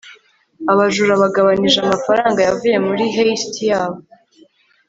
abajura bagabanije amafaranga yavuye muri heist yabo